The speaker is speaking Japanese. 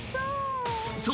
［そう。